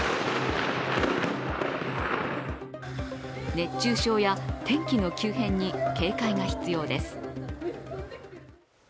熱中症や天気の急変に警戒が必要です。